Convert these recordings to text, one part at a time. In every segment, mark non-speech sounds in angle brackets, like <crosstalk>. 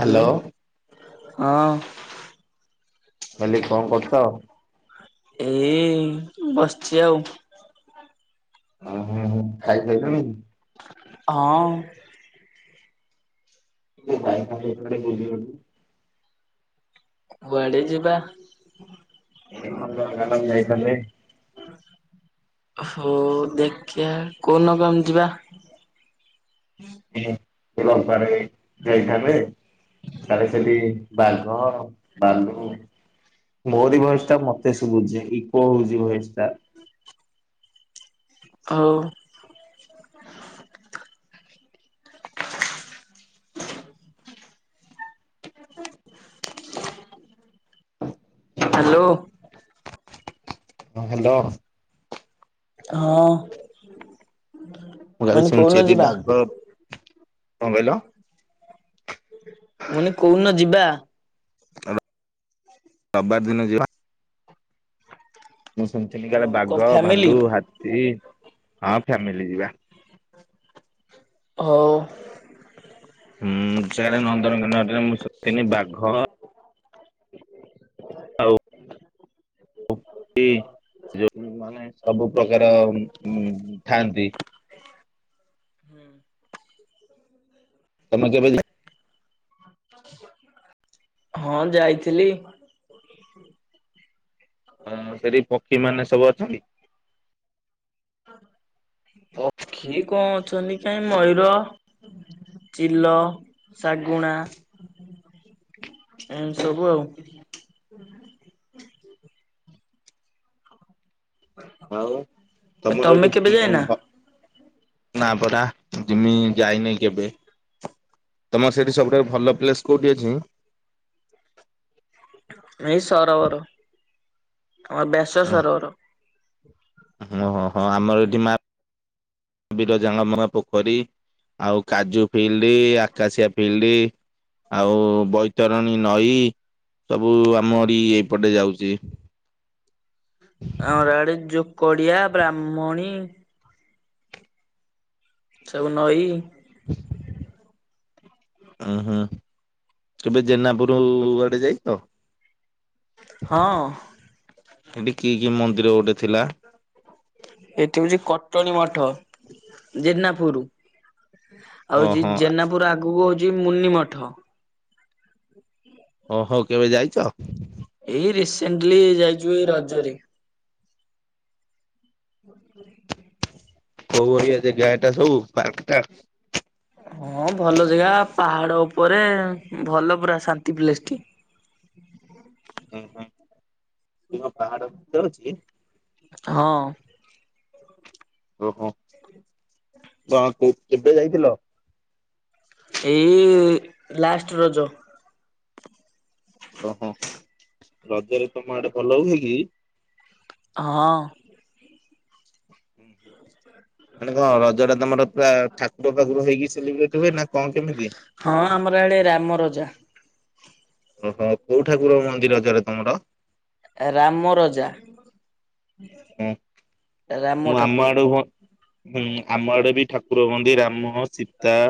Hello ହଁ। କହିଲି କଣ କରୁଚ? ଏଇ ବସିଚି ଆଉ। ଓ ହ ହୁଁ ଖାଇ ଖାଇିଲଣି? ହଁ। <unintelligible> କୁଆଡେ ଯିବା। ଏଇ ନନ୍ଦନ କାନ୍ଦନ ଯାଇଥାନ୍ତେ? ହୋଉ ଦେଖିବା କୋଉଦିନ କହନି ଯିବା? ଇଏ ରବିବାରେ। ଯାଇଥାନ୍ତେ ତାହଲେ ସେଠି ବାଘ ବାଲୁ ଭୋରୀ ଭୟେସ ଟା ମତେ ସୁବୁଛି ଇକୋ ହଉଛି ଭୟେସ ଟା। ହୋଉ। ହ୍ୟାଲୋ। ହ ହ୍ୟାଲୋ। ହଁ। ମୁଁ କାଲି ମାନେ କୋଉନ ଶୁଣୁଚି ଏଠି ଯିବା ବାଘ କଁ କହିଲ? ମୁଁ ଲାହିଲି କୋଉଦିନ ଯିବା। <unintelligible> ରବିବାର ଦିନ ଯିବା। ମୁଁ ଶୁଣିଥିଲି କାଳେ ହଉ କ ବାଘ ଫ୍ୟାମିଲି ଭାଲୁ ହାତୀ ହଁ ଫ୍ୟାମିଲି ଯିବା। ହଉ। ହୁଁ ସେଆଡେ ନନ୍ଦନକାନନ ରେ ମୁଁ ଶୁଣିଥିଲି ବାଘ ନ୍ତି ଯୋଉ ମାନେ ସବୁ ପ୍ରକାର ଉ ଥାଆନ୍ତି। ତମେ କେବେ ଯା ହଁ ଯାଇଥିଲି। ହ ସେଠି ପକ୍ଷୀ ମାନେ ସବୁ ଅଛନ୍ତି? ପକ୍ଷୀ କଣ ଅଛନ୍ତି କାଇଁ ମୟୂର ଚିଲ ଶାଗୁଣା ଏମିତି ସବୁ ଆଉ। ହଉ ତମର ତମେ କେବେ ଏଠି ଯାଇନା <unintelligible> ନା ପରା ଜିମି ଯାଇନି କେବେ ତମର ସେଇଠି ସବୁଠାରୁ ଭଲ ପ୍ଲେସ୍ କୋଉଠି ଅଛି? ଏଇ ସରବର ଆମର ବ୍ୟାସ ସରବର। ମ ହଁ ହଁ ଆମର ଏଠି ମା ବିରଜା ଙ୍କ ମା ପୋଖରୀ‌। ଆଉ କାଜୁ ଫିଲ୍ଡ ଆକାଶିଆ ଫିଲ୍ଡ। ଆଉ ବୈତରଣୀ ନଈ। ସବୁ ଆମରି ଏଇପଟେ ଯାଉଚି। ଆମର ଇଆଡେ ଯୋକଡିଆ ବ୍ରାହ୍ମଣୀ। ସବୁ ନଈ। ହୁଁ ହୁଁ କେବେ ଜେନାପୁର ଡୁ ଆଡେ ଯାଇଚ? ହଁ। ଏଠି କି କି ମନ୍ଦିର ଗୋଟେ ଥିଲା? ଏଠି ହଉଚି କଟଣୀ ମଠ ଜେନାପୁର। ଆଉ ହଁ ହଉଚି ହଁ ଜେନାପୁର ଆଗକୁ ହଉଚି ମୁନି ମଠ। ଓ ହ କେବେ ଯାଇଚ? ଏଇ ରିସେଣ୍ଟଲି ଯାଇଚୁ ଏଇ ରଜରେ। ହ <inaudible> କୋଉ ଭଳିଆ ଯେଗା ଏଟା ସବୁ ପାର୍କ ଟା? ହଁ ଭଲ ଜାଗା ପାହାଡ ଉପରେ ଭଲ ପୁରା ଶାନ୍ତି ପ୍ଲେସ୍ ଟି। ହୁଁ ହୁଁ ଇଏ କଣ ପାହାଡ ଉପରେ ଅଛି କି? ହଁ। ଓହୋ କଣ କ କେବେ ଯାଇଥିଲ? ଏଇ ଲାଷ୍ଟ ରଜ। ଓହୋ ରଜରେ ତମ ଆଡେ ଭଲ ହୁଏ କି? ହଁ। ହୁଁ ହୁଁ ମାନେ କଣ ରଜ ଟା ତମର ପୁରା ଠାକୁର ପାଖରୁ ହେଇକି ସେଲିବ୍ରେଟ୍ ହୁଏ ନା କଣ କେମିତି? ହଁ ଆମର ଇଆଡେ ରାମ ରଜା। ଓହୋ କୋଉ ଠାକୁର ମନ୍ଦିର ରଜରେ ତମର? ରାମ ରଜା। ହଁ। ରାମ ଠାକୁର। ହୁଁ ଆମ ଆଡେ ବି ଠାକୁର ହୁଅନ୍ତି ରାମ ସୀତା।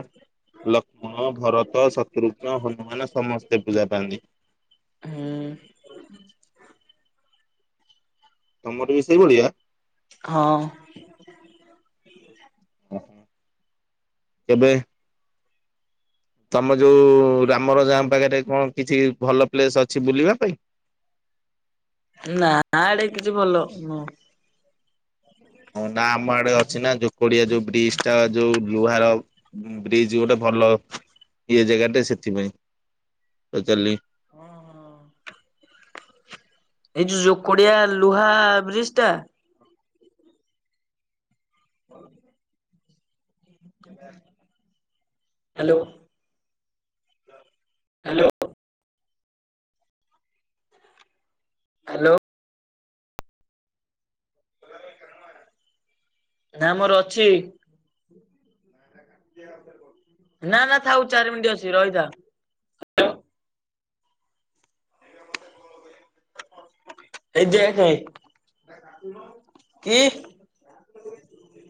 ଲକ୍ଷ୍ମଣ ଭରତ ଶତ୍ରୁଘ୍ନ ହନୁମାନ ସମସ୍ତେ ପୂଜା ପାଆନ୍ତି। ହୁଁ। ତମର ବି ସେଇ ଭଳିଆ। ହଁ। ଓହୋ କେବେ ତମ ଯୋଉ ରାମରଜା ଆମ ପାଖରେ କଣ କିଛି ଭଲ ପ୍ଲେସ ଅଛି ବୁଲିବା ପାଇଁ। ନା ଆଡେ କିଛି ଭଲ ନୁହଁ। ହଁ ନା ଆମ ଆଡେ ଅଛି ନା ଯୋକଡିଆ ଯୋଉ ବ୍ରିଜ୍ ତା ଯୋଉ ଲୁହାର ବ୍ରିଜ ଗୋଟେ ଭଲ ଇଏ ଜାଗାଟେ ସେଥିପାଇଁ ପଚାରିଲି ଏଇ ଯୋଉ ଯୋକଡିଆ ଲୁହା ବ୍ରିଜ ଟା। ହ <inaudible> ହ୍ୟାଲୋ। Hello hello. ନା ମୋର ଅଛି। ନା ନା ଥାଉ ଚାରି ମିନିଟ୍ ଅଛି ରହିଥା। ଏଇ ଦେଖେ କି